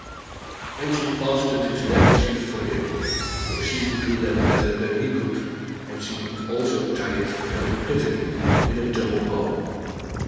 And she fastened his neckerchief for him; for she could do that better than he could, and she could also tie it very prettily in a double bow.